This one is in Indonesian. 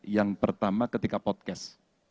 yang pertama ketika podcast